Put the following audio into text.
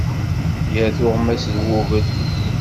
Gar tuɣmas d wugel.